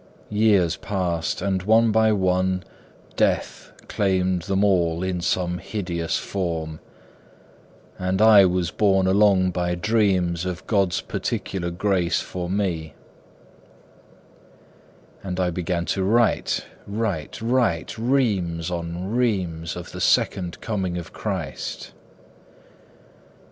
Years passed and one by one Death claimed them all in some hideous form And I was borne along by dreams Of God's particular grace for me, And I began to write, write, write, reams on reams Of the second coming of Christ.